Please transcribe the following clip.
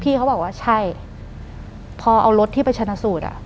เขาบอกว่าใช่พอเอารถที่ไปชนะสูตรอ่ะ